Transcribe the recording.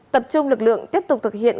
tập trung lực lượng tiếp tục thực hiện